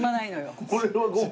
これはご飯！